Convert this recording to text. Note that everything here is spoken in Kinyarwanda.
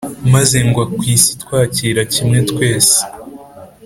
maze ngwa ku isi itwakira kimwe twese,